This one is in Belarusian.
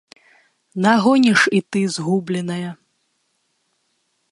Нагоніш і ты згубленае.